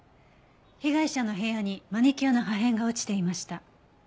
被害者の部屋にマニキュアの破片が落ちていました。